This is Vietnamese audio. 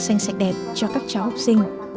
xanh sạch đẹp cho các cháu học sinh